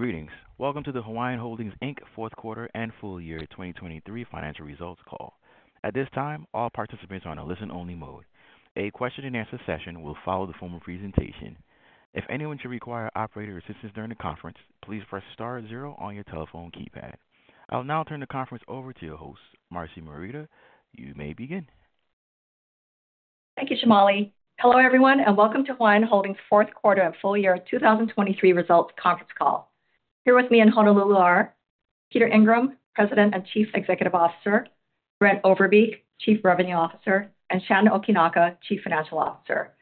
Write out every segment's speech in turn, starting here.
Greetings. Welcome to the Hawaiian Holdings, Inc. Q4 and full year 2023 financial results call. At this time, all participants are on a listen-only mode. A question-and-answer session will follow the formal presentation. If anyone should require operator assistance during the conference, please press star zero on your telephone keypad. I'll now turn the conference over to your host, Marcy Morita. You may begin. Thank you, Shamali. Hello, everyone, and welcome to Hawaiian Holdings fourth quarter and full year 2023 results conference call. Here with me in Honolulu are Peter Ingram, President and Chief Executive Officer, Brent Overbeek, Chief Revenue Officer, and Shannon Okinaka, Chief Financial Officer.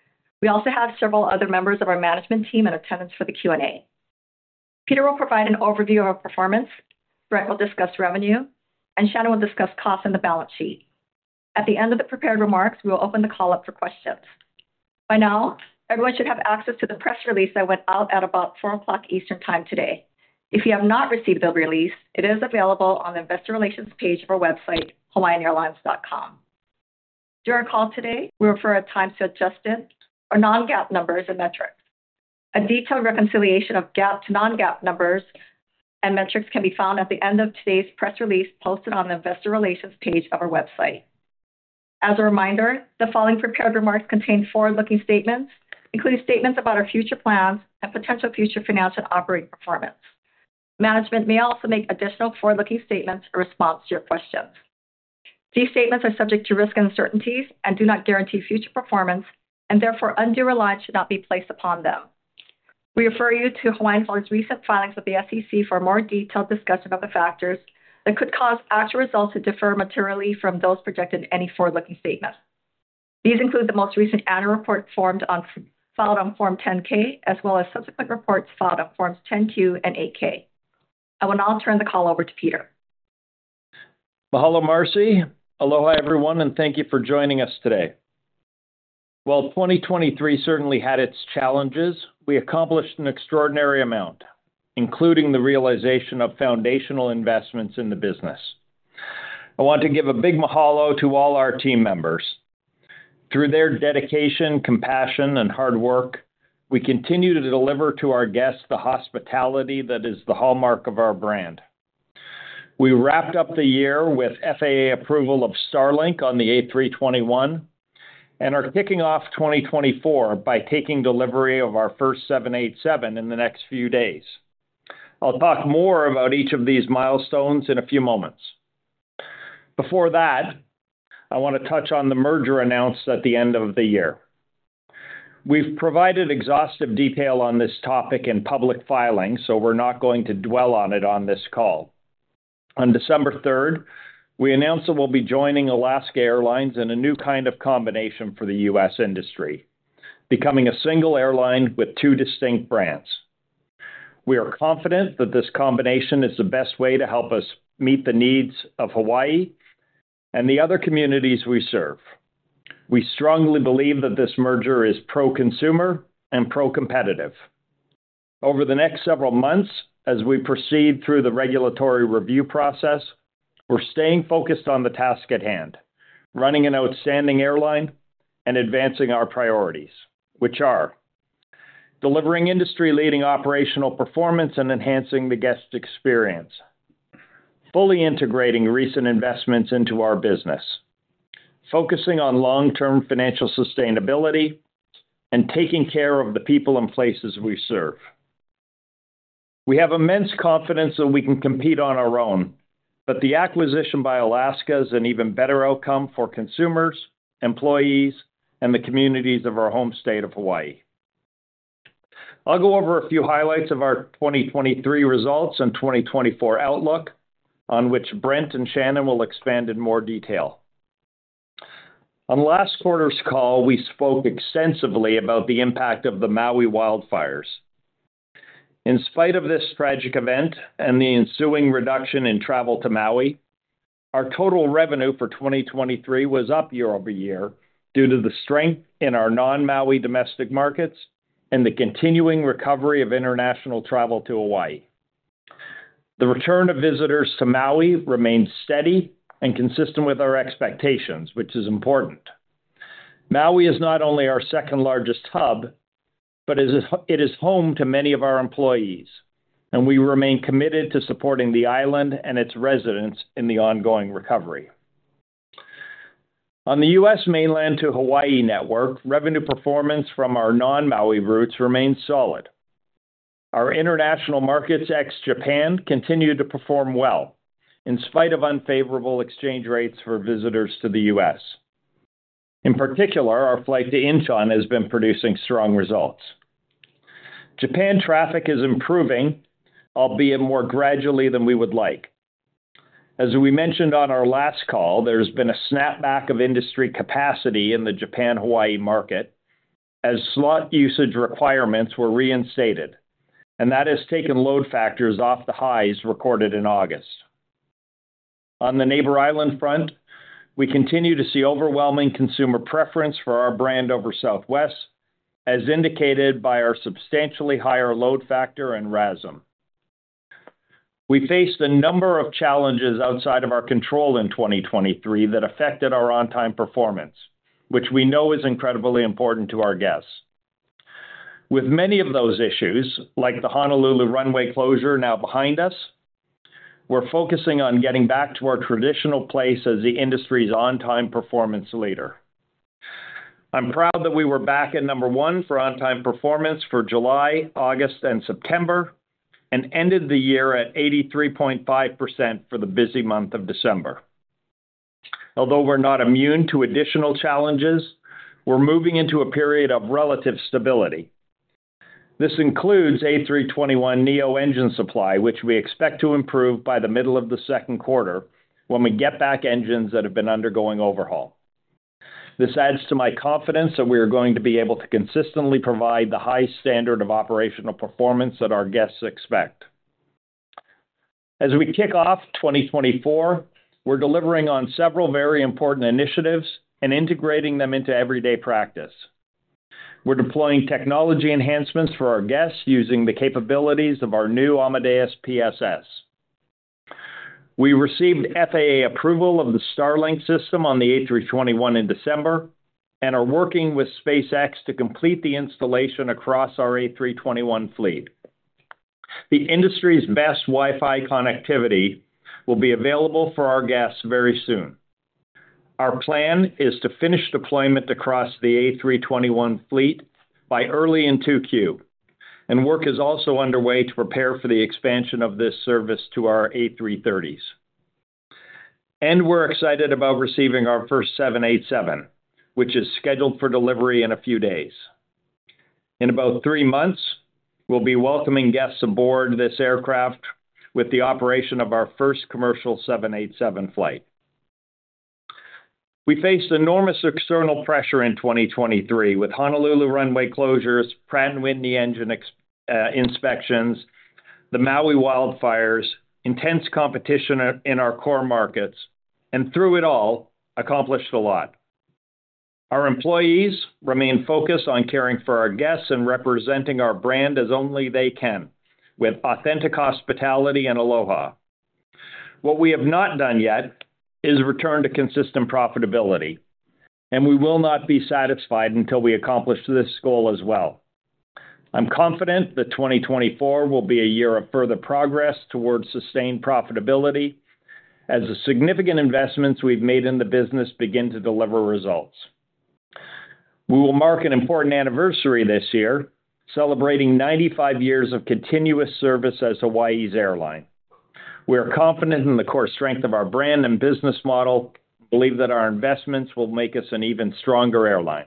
We also have several other members of our management team in attendance for the Q&A. Peter will provide an overview of our performance, Brent will discuss revenue, and Shannon will discuss costs and the balance sheet. At the end of the prepared remarks, we will open the call up for questions. By now, everyone should have access to the press release that went out at about Four o'clock Eastern Time today. If you have not received the release, it is available on the Investor Relations page of our website, hawaiianairlines.com. During our call today, we refer our times to adjusted or non-GAAP numbers and metrics. A detailed reconciliation of GAAP to non-GAAP numbers and metrics can be found at the end of today's press release posted on the Investor Relations page of our website. As a reminder, the following prepared remarks contain forward-looking statements, including statements about our future plans and potential future financial and operating performance. Management may also make additional forward-looking statements in response to your questions. These statements are subject to risks and uncertainties and do not guarantee future performance, and therefore undue reliance should not be placed upon them. We refer you to Hawaiian Holdings' recent filings with the SEC for a more detailed discussion about the factors that could cause actual results to differ materially from those projected in any forward-looking statement. These include the most recent annual report filed on Form 10-K, as well as subsequent reports filed on Forms 10-Q and 8-K. I will now turn the call over to Peter. Mahalo, Marcy. Aloha, everyone, and thank you for joining us today. While 2023 certainly had its challenges, we accomplished an extraordinary amount, including the realization of foundational investments in the business. I want to give a big mahalo to all our team members. Through their dedication, compassion, and hard work, we continue to deliver to our guests the hospitality that is the hallmark of our brand. We wrapped up the year with FAA approval of Starlink on the A321 and are kicking off 2024 by taking delivery of our first 787 in the next few days. I'll talk more about each of these milestones in a few moments. Before that, I want to touch on the merger announced at the end of the year. We've provided exhaustive detail on this topic in public filings, so we're not going to dwell on it on this call. On December 3rd, we announced that we'll be joining Alaska Airlines in a new kind of combination for the U.S. industry, becoming a single airline with two distinct brands. We are confident that this combination is the best way to help us meet the needs of Hawaii and the other communities we serve. We strongly believe that this merger is pro-consumer and pro-competitive. Over the next several months, as we proceed through the regulatory review process, we're staying focused on the task at hand, running an outstanding airline and advancing our priorities, which are: delivering industry-leading operational performance and enhancing the guest experience, fully integrating recent investments into our business, focusing on long-term financial sustainability, and taking care of the people and places we serve. We have immense confidence that we can compete on our own, but the acquisition by Alaska is an even better outcome for consumers, employees, and the communities of our home state of Hawaii. I'll go over a few highlights of our 2023 results and 2024 outlook, on which Brent and Shannon will expand in more detail. On last quarter's call, we spoke extensively about the impact of the Maui wildfires. In spite of this tragic event and the ensuing reduction in travel to Maui, our total revenue for 2023 was up year-over-year due to the strength in our non-Maui domestic markets and the continuing recovery of international travel to Hawaii. The return of visitors to Maui remains steady and consistent with our expectations, which is important. Maui is not only our second-largest hub, but it is home to many of our employees, and we remain committed to supporting the island and its residents in the ongoing recovery. On the U.S. mainland to Hawaii network, revenue performance from our non-Maui routes remains solid. Our international markets, ex-Japan, continued to perform well in spite of unfavorable exchange rates for visitors to the U.S. In particular, our flight to Incheon has been producing strong results. Japan traffic is improving, albeit more gradually than we would like. As we mentioned on our last call, there's been a snapback of industry capacity in the Japan-Hawaii market as slot usage requirements were reinstated, and that has taken load factors off the highs recorded in August. On the Neighbor Island front, we continue to see overwhelming consumer preference for our brand over Southwest, as indicated by our substantially higher load factor and RASM. We faced a number of challenges outside of our control in 2023 that affected our on-time performance, which we know is incredibly important to our guests. With many of those issues, like the Honolulu runway closure now behind us, we're focusing on getting back to our traditional place as the industry's on-time performance leader. I'm proud that we were back at number one for on-time performance for July, August, and September, and ended the year at 83.5% for the busy month of December. Although we're not immune to additional challenges, we're moving into a period of relative stability. This includes A321neo engine supply, which we expect to improve by the middle of the Q2, when we get back engines that have been undergoing overhaul. This adds to my confidence that we are going to be able to consistently provide the high standard of operational performance that our guests expect. As we kick off 2024, we're delivering on several very important initiatives and integrating them into everyday practice. We're deploying technology enhancements for our guests using the capabilities of our new Amadeus PSS. We received FAA approval of the Starlink system on the A321 in December, and are working with SpaceX to complete the installation across our A321 fleet. The industry's best Wi-Fi connectivity will be available for our guests very soon. Our plan is to finish deployment across the A321 fleet by early in 2Q, and work is also underway to prepare for the expansion of this service to our A330s. We're excited about receiving our first 787, which is scheduled for delivery in a few days. In about three months, we'll be welcoming guests aboard this aircraft with the operation of our first commercial 787 flight. We faced enormous external pressure in 2023, with Honolulu runway closures, Pratt & Whitney engine inspections, the Maui wildfires, intense competition in our core markets, and through it all, accomplished a lot. Our employees remain focused on caring for our guests and representing our brand as only they can, with authentic hospitality and aloha. What we have not done yet is return to consistent profitability, and we will not be satisfied until we accomplish this goal as well. I'm confident that 2024 will be a year of further progress towards sustained profitability, as the significant investments we've made in the business begin to deliver results. We will mark an important anniversary this year, celebrating 95 years of continuous service as Hawaii's airline. We are confident in the core strength of our brand and business model, believe that our investments will make us an even stronger airline.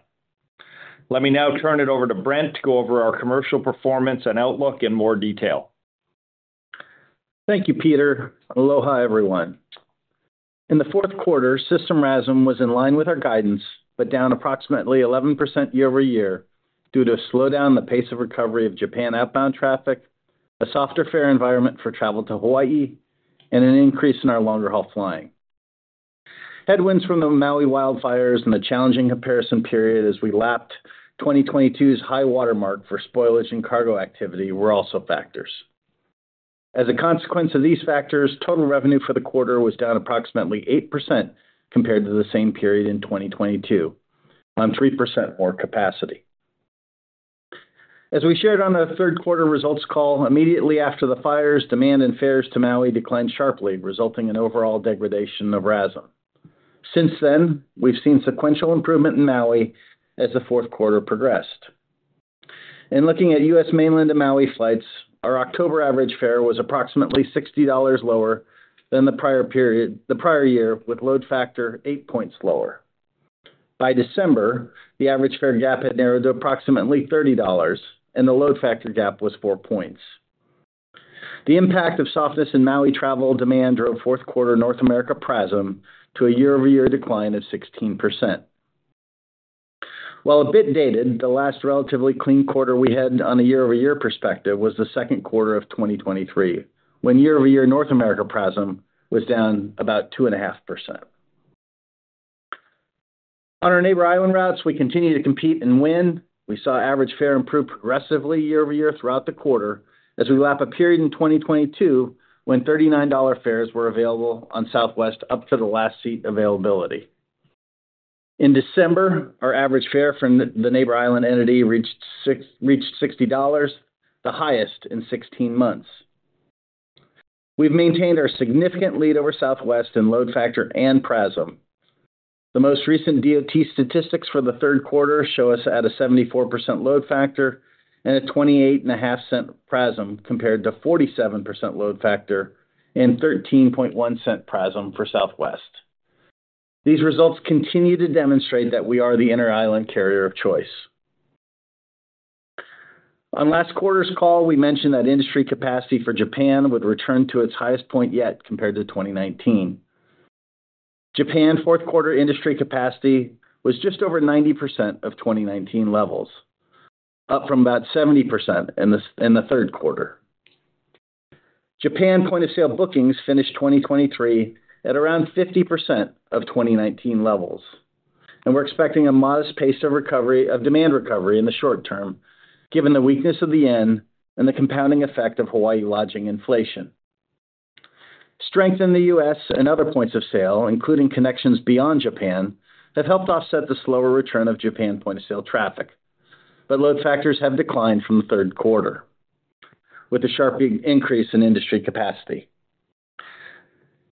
Let me now turn it over to Brent to go over our commercial performance and outlook in more detail. Thank you, Peter. Aloha, everyone. In the fourth quarter, system RASM was in line with our guidance, but down approximately 11% year-over-year due to a slowdown in the pace of recovery of Japan outbound traffic, a softer fare environment for travel to Hawaii, and an increase in our longer-haul flying. Headwinds from the Maui wildfires and a challenging comparison period as we lapped 2022's high-water mark for spoilage and cargo activity were also factors. As a consequence of these factors, total revenue for the quarter was down approximately 8% compared to the same period in 2022, on 3% more capacity. As we shared on the Q3 results call, immediately after the fires, demand and fares to Maui declined sharply, resulting in overall degradation of RASM. Since then, we've seen sequential improvement in Maui as the Q4 progressed. In looking at U.S. mainland to Maui flights, our October average fare was approximately $60 lower than the prior period, the prior year, with load factor eight points lower. By December, the average fare gap had narrowed to approximately $30, and the load factor gap was four points. The impact of softness in Maui travel demand drove fourth quarter North America PRASM to a year-over-year decline of 16%. While a bit dated, the last relatively clean quarter we had on a year-over-year perspective was the Q2 of 2023, when year-over-year North America PRASM was down about 2.5%. On our Neighbor Island routes, we continued to compete and win. We saw average fare improve progressively year over year throughout the quarter, as we lap a period in 2022 when $39 fares were available on Southwest, up to the last seat availability. In December, our average fare from the Neighbor Island entity reached $60, the highest in 16 months. We've maintained our significant lead over Southwest in load factor and PRASM. The most recent DOT statistics for the third quarter show us at a 74% load factor and a $0.285 PRASM, compared to 47% load factor and $0.131 PRASM for Southwest. These results continue to demonstrate that we are the inter-island carrier of choice. On last quarter's call, we mentioned that industry capacity for Japan would return to its highest point yet compared to 2019. Japan Q4 industry capacity was just over 90% of 2019 levels, up from about 70% in the Q3. Japan point-of-sale bookings finished 2023 at around 50% of 2019 levels. And we're expecting a modest pace of recovery, of demand recovery in the short term, given the weakness of the yen and the compounding effect of Hawaii lodging inflation. Strength in the U.S. and other points of sale, including connections beyond Japan, have helped offset the slower return of Japan point-of-sale traffic, but load factors have declined from the third quarter, with a sharp increase in industry capacity.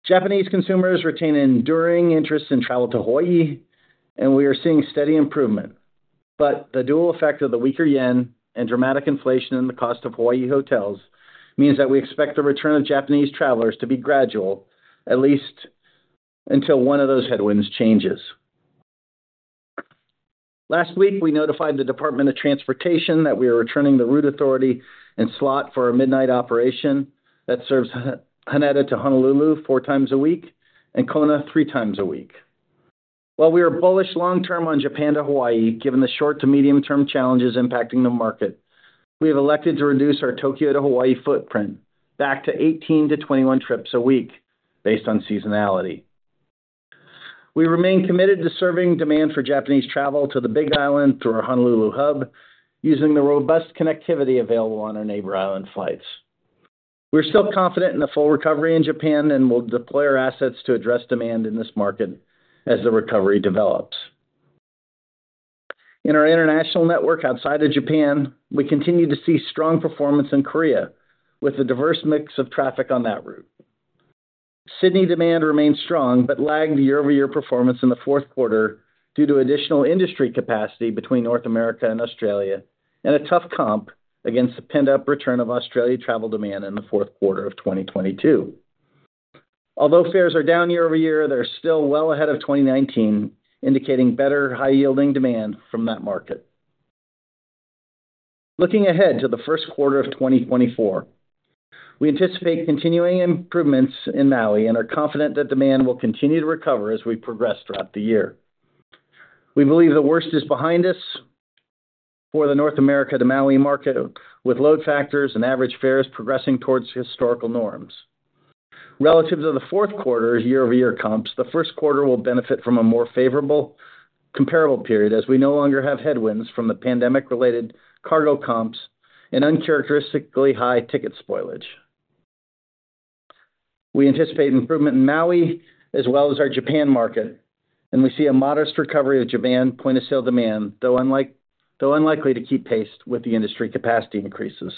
Japanese consumers retain an enduring interest in travel to Hawaii, and we are seeing steady improvement, but the dual effect of the weaker yen and dramatic inflation in the cost of Hawaii hotels means that we expect the return of Japanese travelers to be gradual, at least until one of those headwinds changes. Last week, we notified the Department of Transportation that we are returning the route authority and slot for a midnight operation that serves Haneda to Honolulu 4x a week and Kona 3x a week. While we are bullish long term on Japan to Hawaii, given the short to medium-term challenges impacting the market, we have elected to reduce our Tokyo to Hawaii footprint back to 18-21 trips a week based on seasonality. We remain committed to serving demand for Japanese travel to the Big Island through our Honolulu hub, using the robust connectivity available on our Neighbor Island flights. We're still confident in the full recovery in Japan and will deploy our assets to address demand in this market as the recovery develops. In our international network outside of Japan, we continue to see strong performance in Korea, with a diverse mix of traffic on that route. Sydney demand remains strong, but lagged year-over-year performance in the Q4 due to additional industry capacity between North America and Australia and a tough comp against the pent-up return of Australia travel demand in the Q4 of 2022. Although fares are down year over year, they're still well ahead of 2019, indicating better high-yielding demand from that market. Looking ahead to the Q1 of 2024, we anticipate continuing improvements in Maui and are confident that demand will continue to recover as we progress throughout the year. We believe the worst is behind us for the North America to Maui market, with load factors and average fares progressing towards historical norms. Relative to the Q4 year-over-year comps, the Q1 will benefit from a more favorable comparable period, as we no longer have headwinds from the pandemic-related cargo comps and uncharacteristically high ticket spoilage. We anticipate improvement in Maui as well as our Japan market, and we see a modest recovery of Japan point-of-sale demand, though unlikely to keep pace with the industry capacity increases.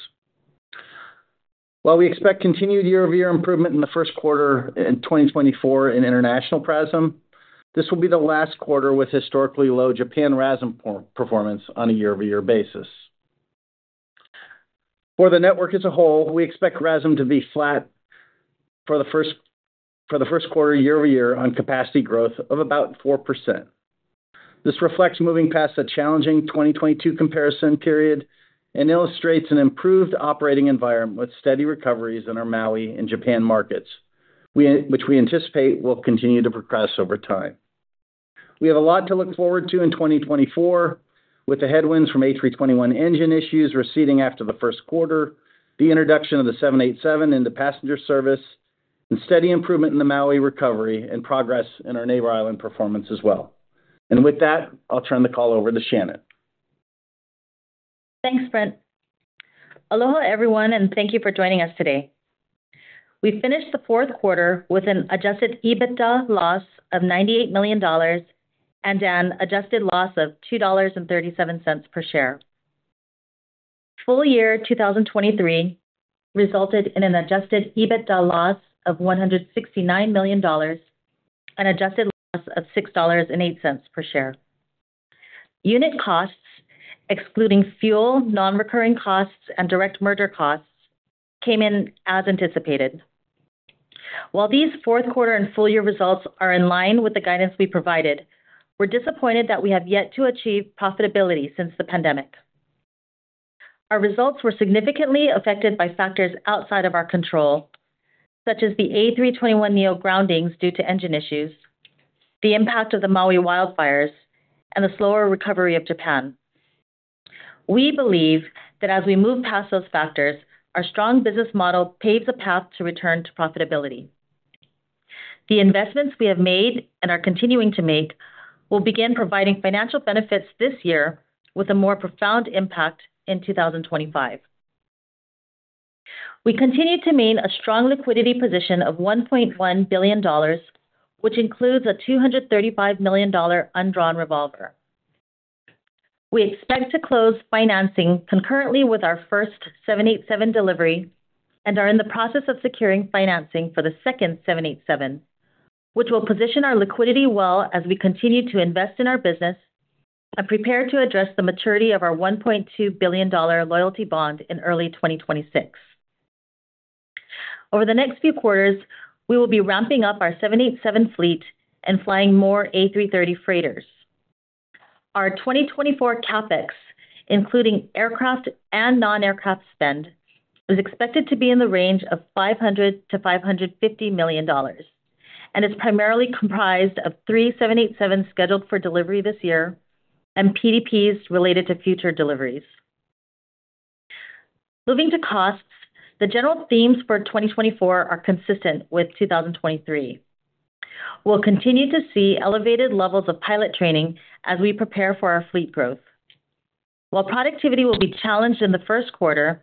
While we expect continued year-over-year improvement in the Q1 in 2024 in international PRASM, this will be the last quarter with historically low Japan RASM performance on a year-over-year basis. For the network as a whole, we expect RASM to be flat for the Q1 year over year on capacity growth of about 4%. This reflects moving past a challenging 2022 comparison period and illustrates an improved operating environment with steady recoveries in our Maui and Japan markets, which we anticipate will continue to progress over time. We have a lot to look forward to in 2024, with the headwinds from A321 engine issues receding after the Q1, the introduction of the 787 into passenger service, and steady improvement in the Maui recovery and progress in our Neighbor Island performance as well. With that, I'll turn the call over to Shannon. Thanks, Brent. Aloha, everyone, and thank you for joining us today. We finished the Q4 with an adjusted EBITDA loss of $98 million and an adjusted loss of $2.37 per share. Full year 2023 resulted in an adjusted EBITDA loss of $169 million and adjusted loss of $6.08 per share. Unit costs, excluding fuel, non-recurring costs, and direct merger costs, came in as anticipated. While these Q4 and full-year results are in line with the guidance we provided, we're disappointed that we have yet to achieve profitability since the pandemic. Our results were significantly affected by factors outside of our control, such as the A321neo groundings due to engine issues, the impact of the Maui wildfires, and the slower recovery of Japan. We believe that as we move past those factors, our strong business model paves a path to return to profitability. The investments we have made and are continuing to make will begin providing financial benefits this year, with a more profound impact in 2025. We continue to maintain a strong liquidity position of $1.1 billion, which includes a $235 million undrawn revolver. We expect to close financing concurrently with our first 787 delivery and are in the process of securing financing for the second 787, which will position our liquidity well as we continue to invest in our business and prepare to address the maturity of our $1.2 billion loyalty bond in early 2026. Over the next few quarters, we will be ramping up our 787 fleet and flying more A330 freighters. Our 2024 CapEx, including aircraft and non-aircraft spend, is expected to be in the range of $500 million-$550 million and is primarily comprised of three 787s scheduled for delivery this year and PDPs related to future deliveries. Moving to costs, the general themes for 2024 are consistent with 2023. We'll continue to see elevated levels of pilot training as we prepare for our fleet growth. While productivity will be challenged in the Q1,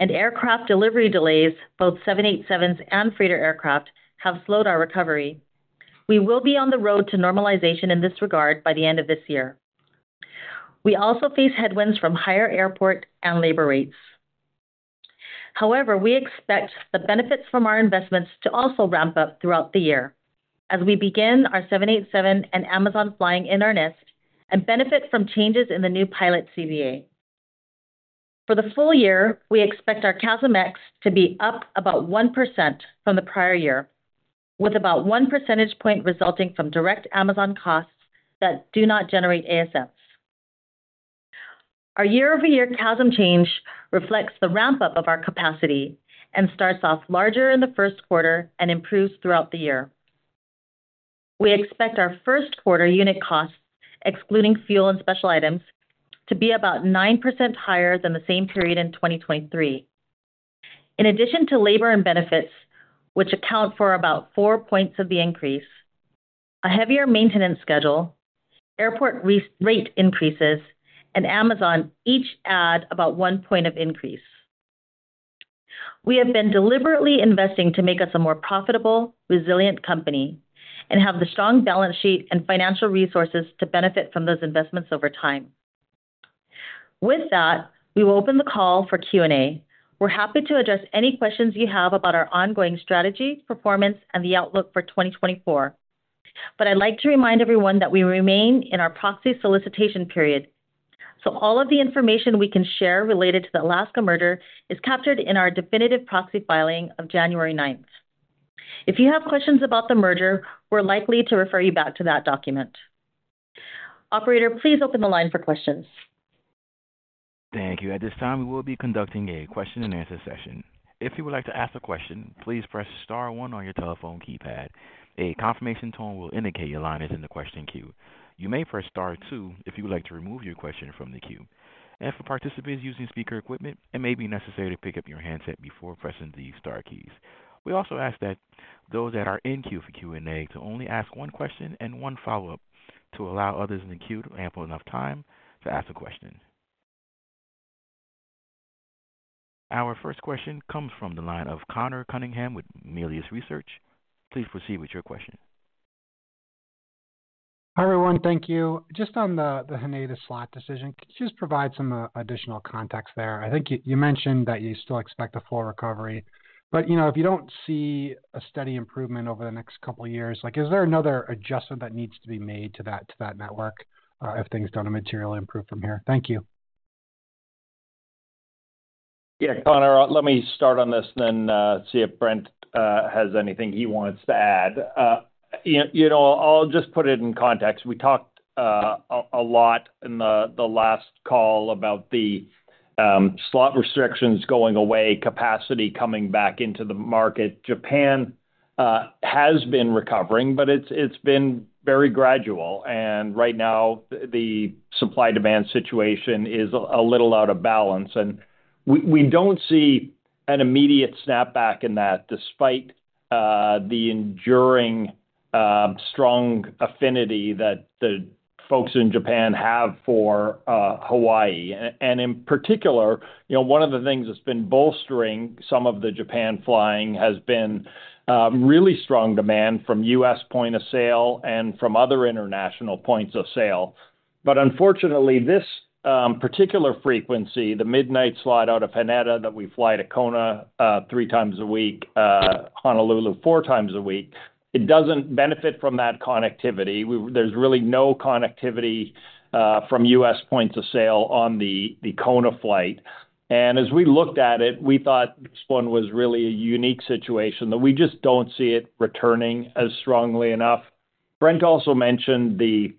and aircraft delivery delays, both 787s and freighter aircraft, have slowed our recovery, we will be on the road to normalization in this regard by the end of this year. We also face headwinds from higher airport and labor rates. However, we expect the benefits from our investments to also ramp up throughout the year as we begin our 787 and Amazon flying in earnest and benefit from changes in the new pilot CBA. For the full year, we expect our CASM ex to be up about 1% from the prior year, with about one percentage point resulting from direct Amazon costs that do not generate ASMs. Our year-over-year CASM change reflects the ramp-up of our capacity and starts off larger in the first quarter and improves throughout the year. We expect our Q1 unit costs, excluding fuel and special items, to be about 9% higher than the same period in 2023. In addition to labor and benefits, which account for about four points of the increase, a heavier maintenance schedule, airport rate increases, and Amazon each add about one point of increase. We have been deliberately investing to make us a more profitable, resilient company and have the strong balance sheet and financial resources to benefit from those investments over time. With that, we will open the call for Q&A. We're happy to address any questions you have about our ongoing strategy, performance, and the outlook for 2024. But I'd like to remind everyone that we remain in our proxy solicitation period, so all of the information we can share related to the Alaska merger is captured in our definitive proxy filing of January 9th. If you have questions about the merger, we're likely to refer you back to that document. Operator, please open the line for questions. Thank you. At this time, we will be conducting a question-and-answer session. If you would like to ask a question, please press star one on your telephone keypad. A confirmation tone will indicate your line is in the question queue. You may press star two if you would like to remove your question from the queue. For participants using speaker equipment, it may be necessary to pick up your handset before pressing the star keys. We also ask that those that are in queue for Q&A to only ask one question and one follow-up to allow others in the queue ample enough time to ask a question. Our first question comes from the line of Conor Cunningham with Melius Research. Please proceed with your question. Hi, everyone. Thank you. Just on the Haneda slot decision, could you just provide some additional context there? I think you mentioned that you still expect a full recovery, but, you know, if you don't see a steady improvement over the next couple of years, like, is there another adjustment that needs to be made to that network, if things don't materially improve from here? Thank you. Yeah, Conor, let me start on this then, see if Brent has anything he wants to add. You know, I'll just put it in context. We talked a lot in the last call about the slot restrictions going away, capacity coming back into the market. Japan has been recovering, but it's been very gradual, and right now the supply-demand situation is a little out of balance. And we don't see an immediate snapback in that, despite the enduring strong affinity that the folks in Japan have for Hawaii. And in particular, you know, one of the things that's been bolstering some of the Japan flying has been really strong demand from U.S. point of sale and from other international points of sale. But unfortunately, this particular frequency, the midnight slot out of Haneda that we fly to Kona 3x a week, Honolulu 4x a week, it doesn't benefit from that connectivity. There's really no connectivity from U.S. points of sale on the Kona flight. And as we looked at it, we thought this one was really a unique situation, that we just don't see it returning as strongly enough. Brent also mentioned the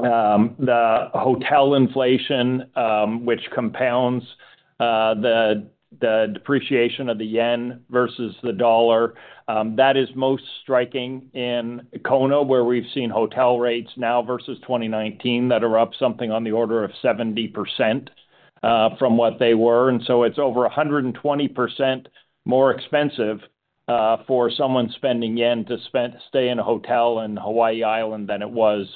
hotel inflation, which compounds the depreciation of the yen versus the dollar. That is most striking in Kona, where we've seen hotel rates now versus 2019 that are up something on the order of 70% from what they were. It's over 120% more expensive for someone spending yen to stay in a hotel in Hawaii Island than it was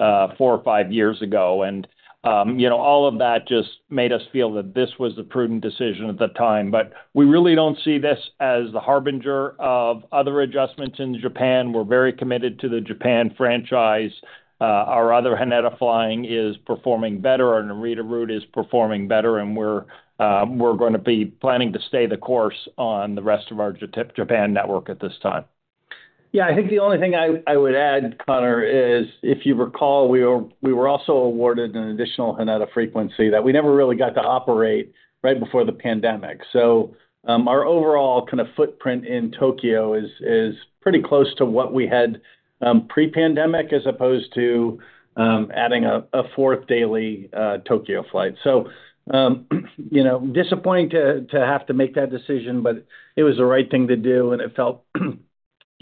four or five years ago. You know, all of that just made us feel that this was the prudent decision at the time. But we really don't see this as the harbinger of other adjustments in Japan. We're very committed to the Japan franchise. Our other Haneda flying is performing better, our Narita route is performing better, and we're gonna be planning to stay the course on the rest of our Japan network at this time. Yeah, I think the only thing I would add, Conor, is if you recall, we were also awarded an additional Haneda frequency that we never really got to operate right before the pandemic. So, our overall kind of footprint in Tokyo is pretty close to what we had pre-pandemic, as opposed to adding a fourth daily Tokyo flight. So, you know, disappointing to have to make that decision, but it was the right thing to do, and it felt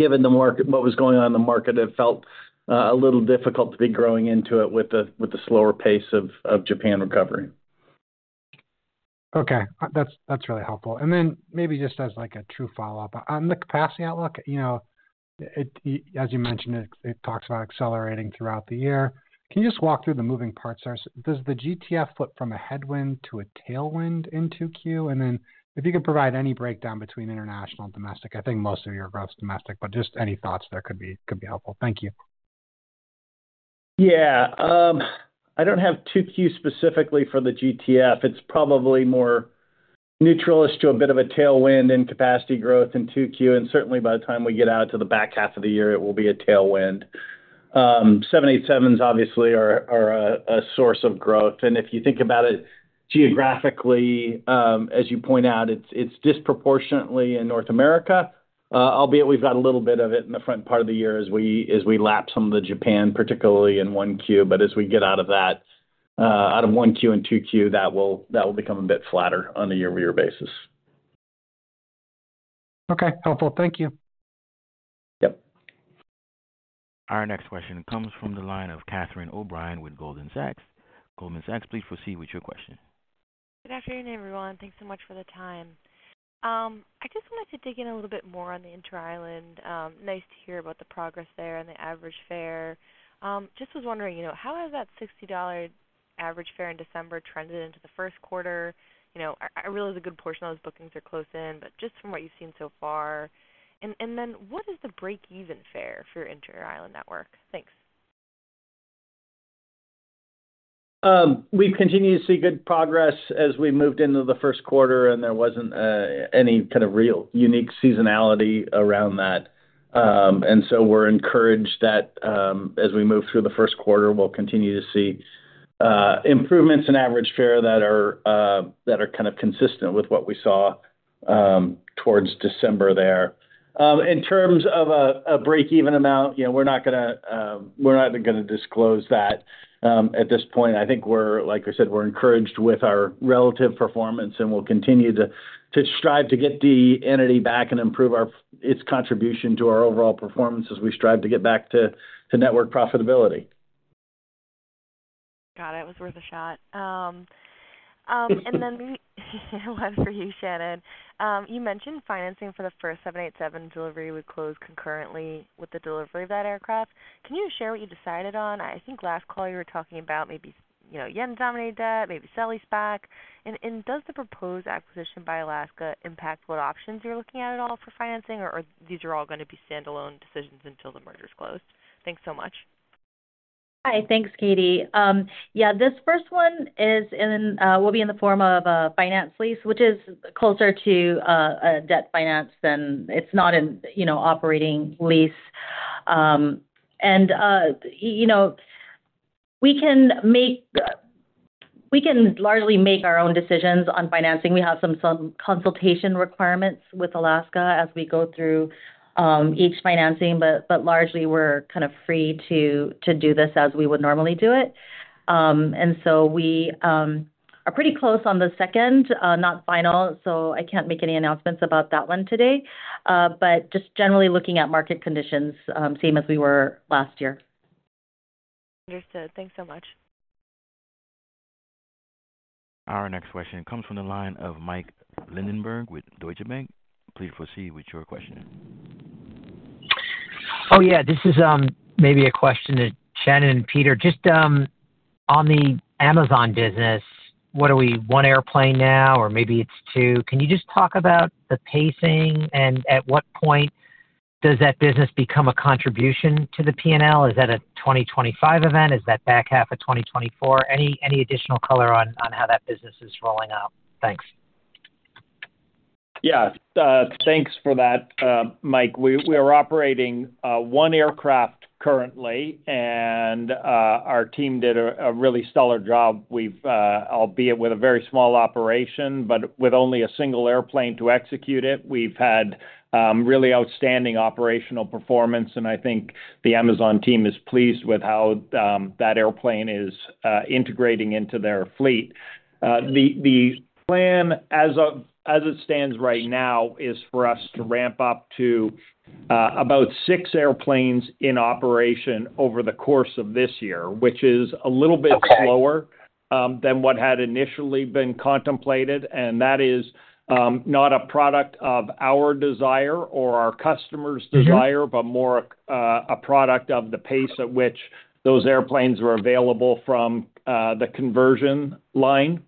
given the market, what was going on in the market, it felt a little difficult to be growing into it with the slower pace of Japan recovery. Okay, that's really helpful. And then maybe just as like a true follow-up. On the capacity outlook, you know, as you mentioned, it talks about accelerating throughout the year. Can you just walk through the moving parts? Does the GTF flip from a headwind to a tailwind in 2Q? And then if you could provide any breakdown between international and domestic, I think most of your growth is domestic, but just any thoughts there could be helpful. Thank you. Yeah, I don't have 2Q specifically for the GTF. It's probably more neutralish to a bit of a tailwind in capacity growth in 2Q, and certainly by the time we get out to the back half of the year, it will be a tailwind. 787s obviously are a source of growth, and if you think about it geographically, as you point out, it's disproportionately in North America. Albeit, we've got a little bit of it in the front part of the year as we lap some of the Japan, particularly in 1Q. But as we get out of that, out of 1Q and 2Q, that will become a bit flatter on a year-over-year basis. Okay, helpful. Thank you. Yep. Our next question comes from the line of Catherine O'Brien with Goldman Sachs. Goldman Sachs, please proceed with your question. Good afternoon, everyone, and thanks so much for the time. I just wanted to dig in a little bit more on the inter-island. Nice to hear about the progress there and the average fare. Just was wondering, you know, how has that $60 average fare in December trended into the Q1? You know, I realize a good portion of those bookings are close in, but just from what you've seen so far. And then what is the break-even fare for your inter-island network? Thanks. We continue to see good progress as we moved into the Q1, and there wasn't any kind of real unique seasonality around that. And so we're encouraged that as we move through the Q1, we'll continue to see improvements in average fare that are kind of consistent with what we saw towards December there. In terms of a break-even amount, you know, we're not gonna, we're not even gonna disclose that. At this point, I think we're like I said, we're encouraged with our relative performance, and we'll continue to strive to get the entity back and improve its contribution to our overall performance as we strive to get back to network profitability. Got it. It was worth a shot. And then one for you, Shannon. You mentioned financing for the first 787 delivery would close concurrently with the delivery of that aircraft. Can you share what you decided on? I think last call you were talking about maybe, you know, yen-denominated debt, maybe sale-leaseback. And does the proposed acquisition by Alaska impact what options you're looking at at all for financing, or these are all going to be standalone decisions until the merger is closed? Thanks so much. Hi. Thanks, Catie. Yeah, this first one is in, will be in the form of a finance lease, which is closer to, debt finance than... it's not an, you know, operating lease. And, you know, we can make, we can largely make our own decisions on financing. We have some consultation requirements with Alaska as we go through, each financing, but largely, we're kind of free to do this as we would normally do it. And so we are pretty close on the second, not final, so I can't make any announcements about that one today. But just generally looking at market conditions, same as we were last year. Understood. Thanks so much. Our next question comes from the line of Mike Lindenberg with Deutsche Bank. Please proceed with your question. Oh, yeah. This is maybe a question to Shannon and Peter. Just on the Amazon business, what are we, one airplane now, or maybe it's two? Can you just talk about the pacing and at what point does that business become a contribution to the PNL? Is that a 2025 event? Is that back half of 2024? Any additional color on how that business is rolling out? Thanks. Yeah, thanks for that, Mike. We are operating one aircraft currently, and our team did a really stellar job. We've, albeit with a very small operation, but with only a single airplane to execute it, we've had really outstanding operational performance, and I think the Amazon team is pleased with how that airplane is integrating into their fleet. The plan as it stands right now is for us to ramp up to about six airplanes in operation over the course of this year, which is a little bit- Okay... slower than what had initially been contemplated, and that is not a product of our desire or our customer's desire- Mm-hmm... but more, a product of the pace at which those airplanes were available from, the conversion line.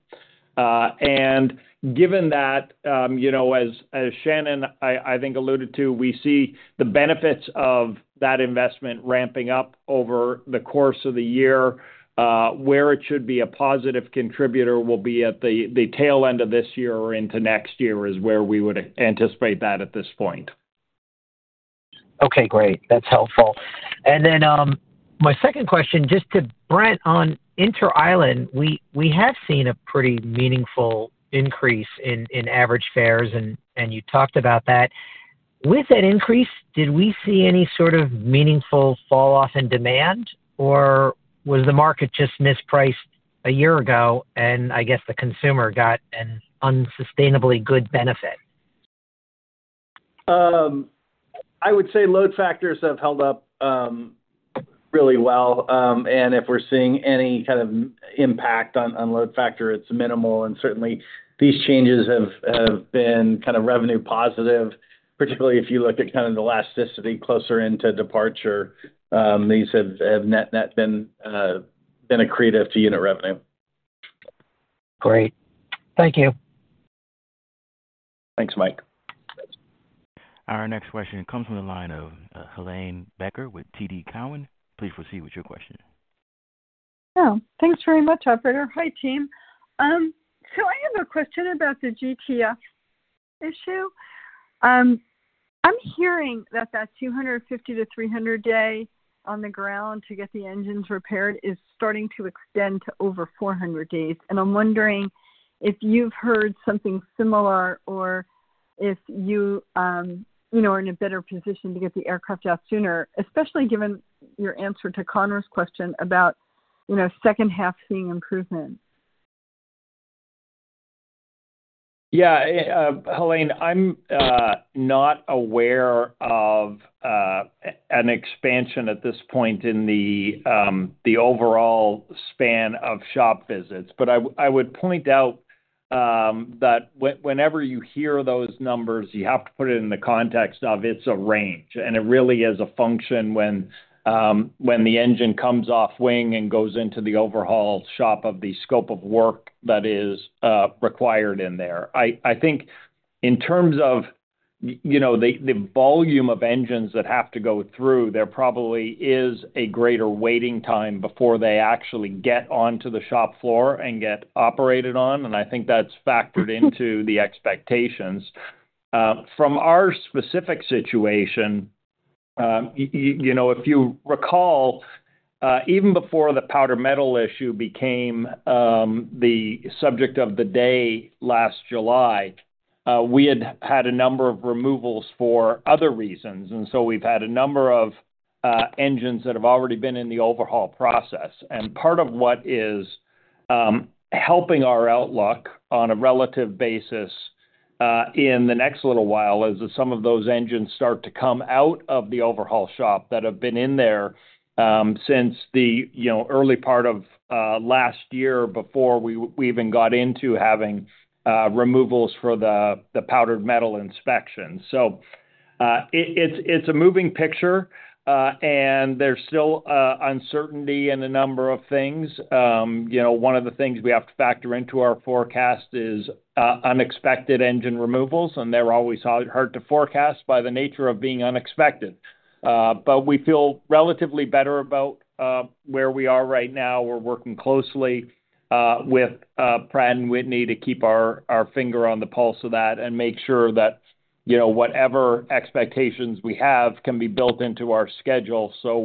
And given that, you know, as, as Shannon, I, I think, alluded to, we see the benefits of that investment ramping up over the course of the year, where it should be a positive contributor will be at the, the tail end of this year or into next year, is where we would anticipate that at this point. Okay, great. That's helpful. And then, my second question, just to Brent on inter-island, we have seen a pretty meaningful increase in average fares, and you talked about that. With that increase, did we see any sort of meaningful falloff in demand, or was the market just mispriced?... a year ago, and I guess the consumer got an unsustainably good benefit? I would say load factors have held up really well. And if we're seeing any kind of impact on load factor, it's minimal, and certainly these changes have been kind of revenue positive, particularly if you look at kind of the elasticity closer into departure, these have net-net been accretive to unit revenue. Great. Thank you. Thanks, Mike. Our next question comes from the line of, Helane Becker with TD Cowen. Please proceed with your question. Oh, thanks very much, operator. Hi, team. So I have a question about the GTF issue. I'm hearing that 250-300 days on the ground to get the engines repaired is starting to extend to over 400 days, and I'm wondering if you've heard something similar or if you, you know, are in a better position to get the aircraft out sooner, especially given your answer to Conor's question about, you know, second half seeing improvement. Yeah, Helane, I'm not aware of an expansion at this point in the overall span of shop visits. But I would point out that whenever you hear those numbers, you have to put it in the context of it's a range, and it really is a function when the engine comes off wing and goes into the overhaul shop of the scope of work that is required in there. I think in terms of you know the volume of engines that have to go through, there probably is a greater waiting time before they actually get onto the shop floor and get operated on, and I think that's factored into the expectations. From our specific situation, you know, if you recall, even before the powdered metal issue became the subject of the day last July, we had had a number of removals for other reasons, and so we've had a number of engines that have already been in the overhaul process. And part of what is helping our outlook on a relative basis in the next little while is that some of those engines start to come out of the overhaul shop that have been in there, you know, since the early part of last year, before we even got into having removals for the powdered metal inspection. So, it’s a moving picture, and there’s still uncertainty in a number of things. You know, one of the things we have to factor into our forecast is unexpected engine removals, and they're always hard, hard to forecast by the nature of being unexpected. But we feel relatively better about where we are right now. We're working closely with Pratt & Whitney to keep our finger on the pulse of that and make sure that, you know, whatever expectations we have can be built into our schedule. So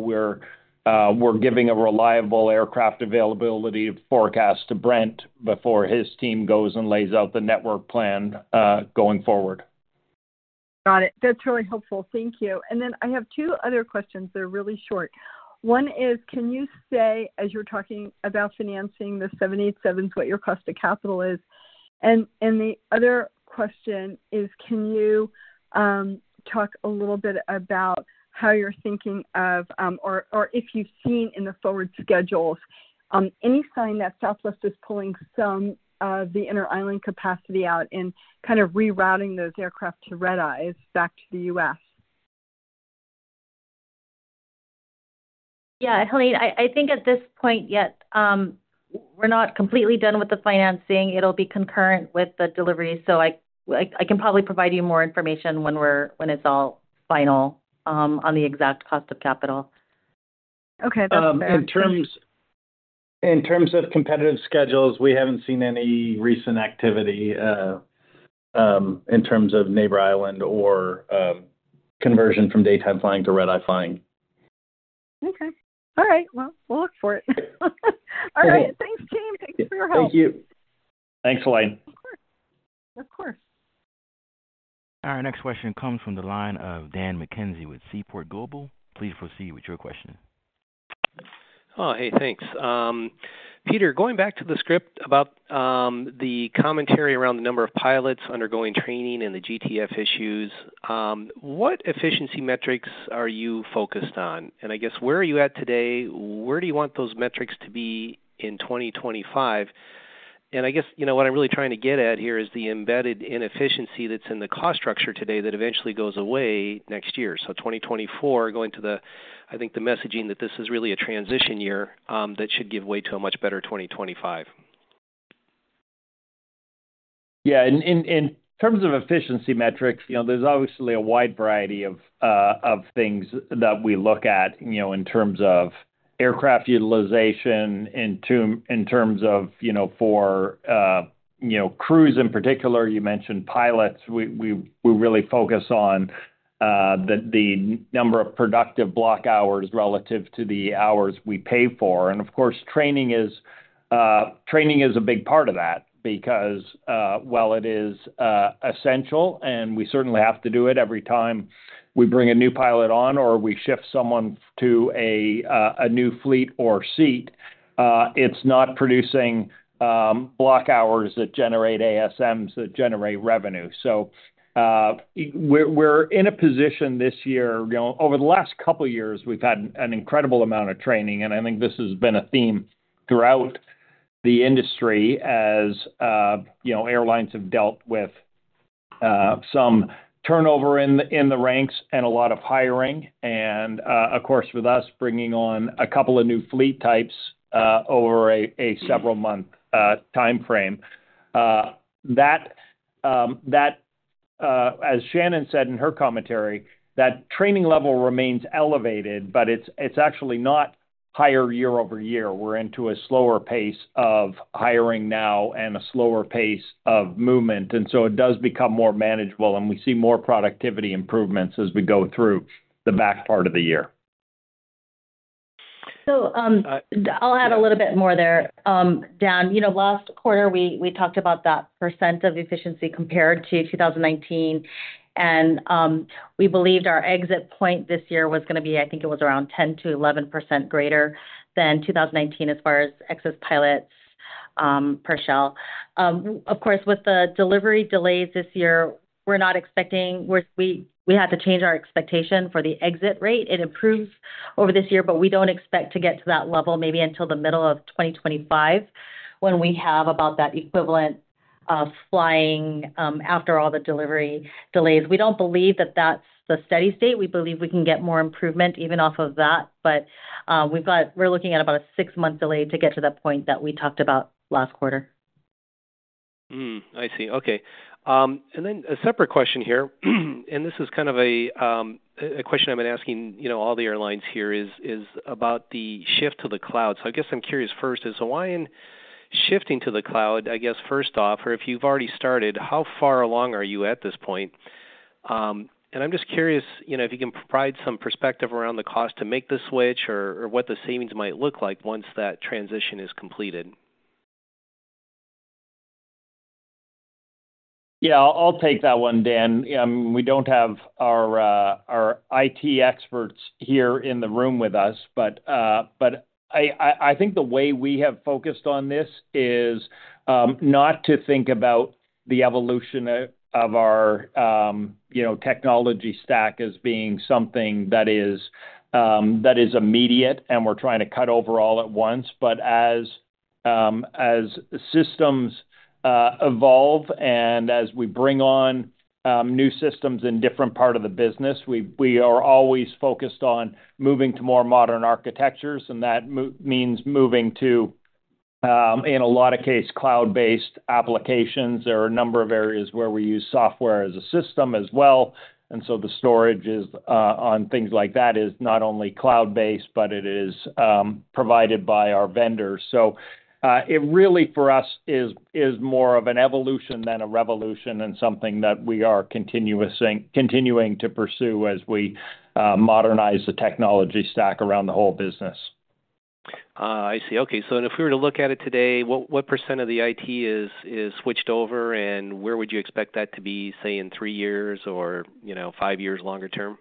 we're giving a reliable aircraft availability forecast to Brent before his team goes and lays out the network plan going forward. Got it. That's really helpful. Thank you. And then I have two other questions that are really short. One is, can you say, as you're talking about financing the 787s, what your cost of capital is? And the other question is, can you talk a little bit about how you're thinking of, or if you've seen in the forward schedules, any sign that Southwest is pulling some of the inter-island capacity out and kind of rerouting those aircraft to red-eyes back to the U.S.? Yeah, Helane, I think at this point, we're not completely done with the financing. It'll be concurrent with the delivery, so I can probably provide you more information when we're, when it's all final, on the exact cost of capital. Okay. In terms of competitive schedules, we haven't seen any recent activity in terms of Neighbor Island or conversion from daytime flying to red-eye flying. Okay. All right, well, we'll look for it. All right. Thanks, team. Thanks for your help. Thank you. Thanks, Helane. Of course. Of course. Our next question comes from the line of Dan McKenzie with Seaport Global. Please proceed with your question. Oh, hey, thanks. Peter, going back to the script about the commentary around the number of pilots undergoing training and the GTF issues, what efficiency metrics are you focused on? And I guess, where are you at today? Where do you want those metrics to be in 2025? And I guess, you know, what I'm really trying to get at here is the embedded inefficiency that's in the cost structure today that eventually goes away next year. So 2024, going to the, I think, the messaging, that this is really a transition year, that should give way to a much better 2025. Yeah, in terms of efficiency metrics, you know, there's obviously a wide variety of things that we look at, you know, in terms of aircraft utilization, in terms of, you know, for crews in particular. You mentioned pilots. We really focus on the number of productive block hours relative to the hours we pay for. And of course, training is a big part of that, because while it is essential and we certainly have to do it every time we bring a new pilot on or we shift someone to a new fleet or seat, it's not producing block hours that generate ASMs, that generate revenue. So, we're in a position this year, you know, over the last couple of years, we've had an incredible amount of training, and I think this has been a theme throughout the industry as, you know, airlines have dealt with some turnover in the ranks and a lot of hiring. And, of course, with us bringing on a couple of new fleet types over a several-month time frame. As Shannon said in her commentary, that training level remains elevated, but it's actually not higher year-over-year. We're into a slower pace of hiring now and a slower pace of movement, and so it does become more manageable, and we see more productivity improvements as we go through the back part of the year. So, I'll add a little bit more there, Dan. You know, last quarter, we talked about that percent of efficiency compared to 2019, and, we believed our exit point this year was going to be, I think, it was around 10%-11% greater than 2019 as far as excess pilots, per shell. Of course, with the delivery delays this year, we're not expecting-- we had to change our expectation for the exit rate. It improves over this year, but we don't expect to get to that level maybe until the middle of 2025, when we have about that equivalent of flying, after all the delivery delays. We don't believe that that's the steady state. We believe we can get more improvement even off of that, but we're looking at about a six months delay to get to that point that we talked about last quarter. Hmm, I see. Okay. And then a separate question here, and this is kind of a question I've been asking, you know, all the airlines here, is about the shift to the cloud. So I guess I'm curious first, is Hawaiian shifting to the cloud? I guess, first off, or if you've already started, how far along are you at this point? And I'm just curious, you know, if you can provide some perspective around the cost to make the switch or what the savings might look like once that transition is completed. Yeah, I'll take that one, Dan. We don't have our IT experts here in the room with us, but I think the way we have focused on this is not to think about the evolution of our, you know, technology stack as being something that is immediate, and we're trying to cut overall at once. But as systems evolve and as we bring on new systems in different part of the business, we are always focused on moving to more modern architectures, and that means moving to, in a lot of cases, cloud-based applications. There are a number of areas where we use software as a system as well, and so the storage is on things like that is not only cloud-based, but it is provided by our vendors. So it really, for us, is more of an evolution than a revolution and something that we are continuing to pursue as we modernize the technology stack around the whole business. I see. Okay, so and if we were to look at it today, what % of the IT is switched over, and where would you expect that to be, say, in three years or, you know, five years longer term?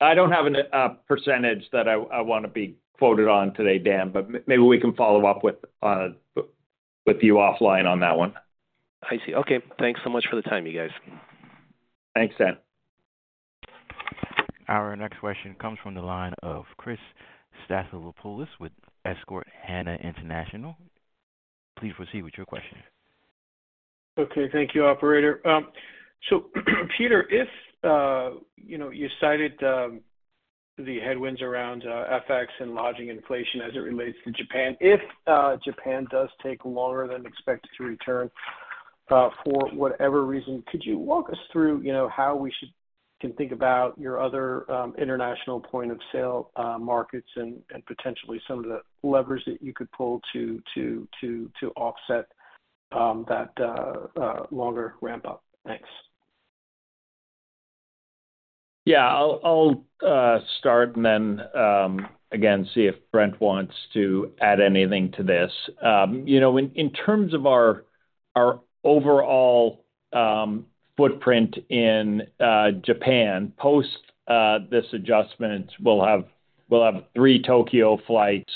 I don't have a percentage that I want to be quoted on today, Dan, but maybe we can follow up with you offline on that one. I see. Okay. Thanks so much for the time, you guys. Thanks, Dan. Our next question comes from the line of Chris Stathopoulos with Susquehanna International Group. Please proceed with your question. Okay. Thank you, operator. So, Peter, if you know, you cited the headwinds around FX and lodging inflation as it relates to Japan. If Japan does take longer than expected to return for whatever reason, could you walk us through you know, how we can think about your other international point-of-sale markets and potentially some of the levers that you could pull to offset that longer ramp-up? Thanks. Yeah, I'll, I'll start and then, again, see if Brent wants to add anything to this. You know, in, in terms of our, our overall footprint in Japan, post this adjustment, we'll have, we'll have three Tokyo flights,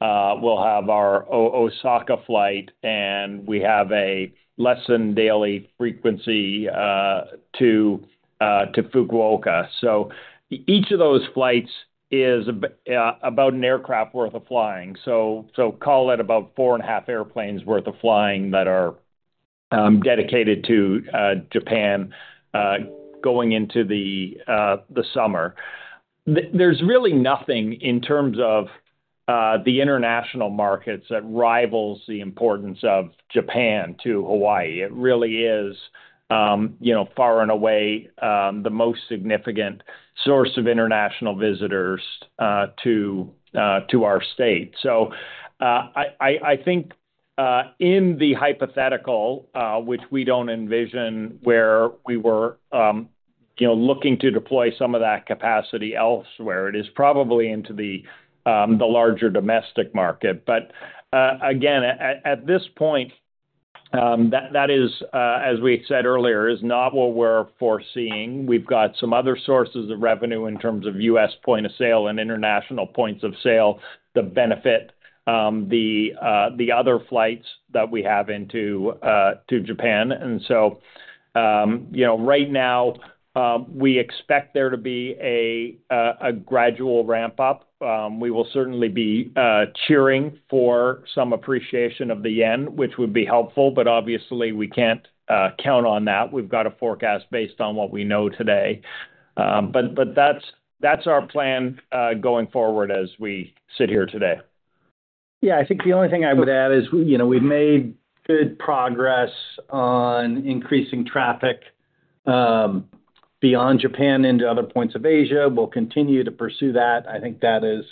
we'll have our Osaka flight, and we have a lessened daily frequency to, to Fukuoka. So each of those flights is about an aircraft worth of flying. So call it about four and a half airplanes worth of flying that are dedicated to Japan going into the summer. There's really nothing in terms of the international markets that rivals the importance of Japan to Hawaii. It really is, you know, far and away the most significant source of international visitors to our state. So, I think in the hypothetical, which we don't envision, where we were, you know, looking to deploy some of that capacity elsewhere, it is probably into the larger domestic market. But, again, at this point, that is, as we said earlier, is not what we're foreseeing. We've got some other sources of revenue in terms of U.S. point of sale and international points of sale that benefit the other flights that we have into to Japan. And so, you know, right now, we expect there to be a gradual ramp-up. We will certainly be cheering for some appreciation of the yen, which would be helpful, but obviously, we can't count on that. We've got to forecast based on what we know today. But that's our plan going forward as we sit here today. Yeah, I think the only thing I would add is, you know, we've made good progress on increasing traffic beyond Japan into other points of Asia. We'll continue to pursue that. I think that is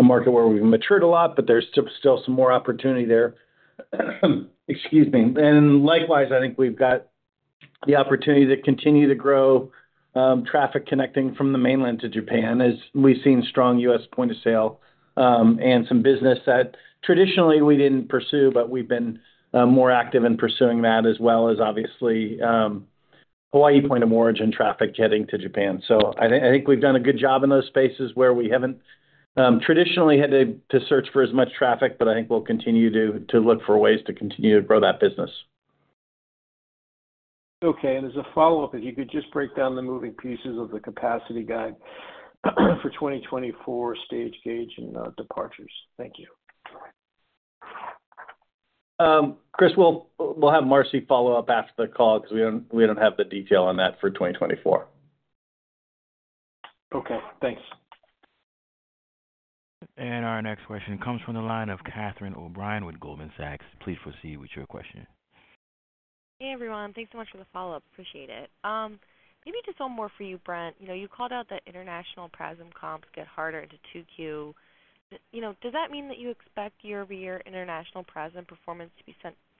a market where we've matured a lot, but there's still, still some more opportunity there. Excuse me. And likewise, I think we've got the opportunity to continue to grow traffic connecting from the mainland to Japan, as we've seen strong U.S. point of sale, and some business that traditionally we didn't pursue, but we've been more active in pursuing that, as well as obviously, Hawaii point of origin traffic getting to Japan. I think we've done a good job in those spaces where we haven't traditionally had to search for as much traffic, but I think we'll continue to look for ways to continue to grow that business. Okay. And as a follow-up, if you could just break down the moving pieces of the capacity guide, for 2024 stage gauge and departures. Thank you. Chris, we'll have Marcy follow up after the call because we don't have the detail on that for 2024. Okay, thanks. Our next question comes from the line of Catherine O'Brien with Goldman Sachs. Please proceed with your question. Hey, everyone. Thanks so much for the follow-up. Appreciate it. Maybe just one more for you, Brent. You know, you called out that international PRASM comps get harder into 2Q. You know, does that mean that you expect year-over-year international PRASM performance to be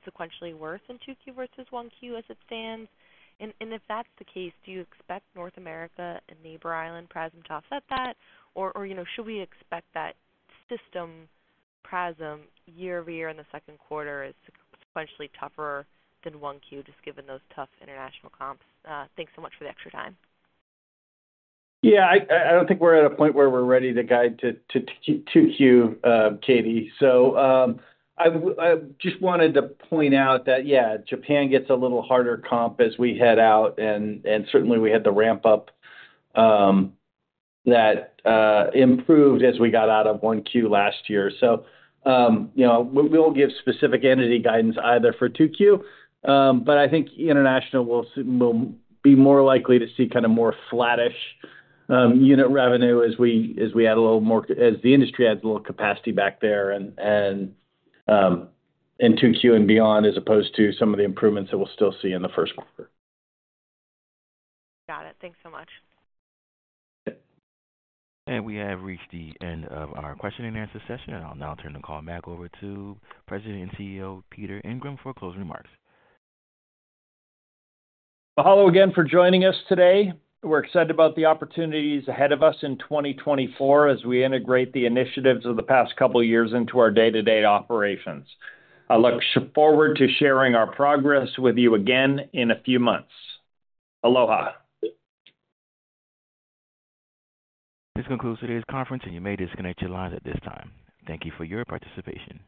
sequentially worse in 2Q versus 1Q as it stands? And if that's the case, do you expect North America and Neighbor Island PRASM to offset that? Or, you know, should we expect that system PRASM year-over-year in the Q2 is sequentially tougher than 1Q, just given those tough international comps? Thanks so much for the extra time. Yeah, I don't think we're at a point where we're ready to guide to 2Q, Katie. So, I just wanted to point out that, yeah, Japan gets a little harder comp as we head out, and certainly, we had the ramp up that improved as we got out of 1Q last year. So, you know, we won't give specific entity guidance either for 2Q, but I think international will be more likely to see kinda more flattish unit revenue as we add a little more as the industry adds a little capacity back there and in 2Q and beyond, as opposed to some of the improvements that we'll still see in the Q1. Got it. Thanks so much. We have reached the end of our question and answer session, and I'll now turn the call back over to President and CEO, Peter Ingram, for closing remarks. Mahalo again for joining us today. We're excited about the opportunities ahead of us in 2024 as we integrate the initiatives of the past couple of years into our day-to-day operations. I look forward to sharing our progress with you again in a few months. Aloha! This concludes today's conference, and you may disconnect your lines at this time. Thank you for your participation.